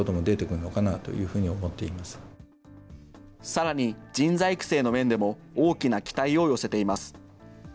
さらに人材育成の面でも、大きな期待を寄せています。